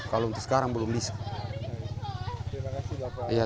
kalau untuk sekarang belum bisa